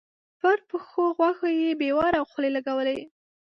پر پخو غوښو يې بې واره خولې لګولې.